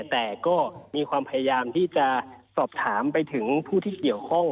แต่ก็มีความพยายามที่จะสอบถามไปถึงผู้ที่เกี่ยวข้อง